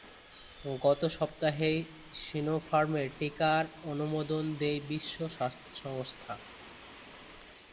গত সপ্তাহেই সিনোফার্মের টিকার অনুমোদন দেয় বিশ্ব স্বাস্থ্য সংস্থা।